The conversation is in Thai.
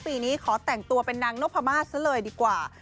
ปีนี้ขอแต่งตัวเป็นนางนพมาสซะเลยดีกว่า